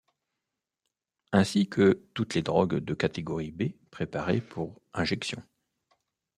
Ainsi que toutes les drogues de catégorie B préparées pour injection.